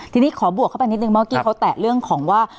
ทีนี้ขอบวกเข้าไปนิดนึงเมื่อกี้เขาแตะเรื่องของว่า